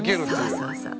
そうそうそう。